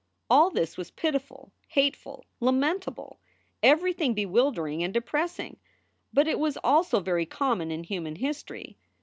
All this was pitiful, hateful, lamentable everything bewildering and depressing but it was also very common in human history.